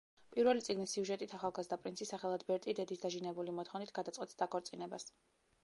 პირველი წიგნის სიუჟეტით ახალგაზრდა პრინცი, სახელად ბერტი დედის დაჟინებული მოთხოვნით გადაწყვეტს დაქორწინებას.